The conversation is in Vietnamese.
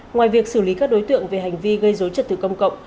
ngoài việc xử lý các đối tượng về hành vi gây dối trật tự công cộng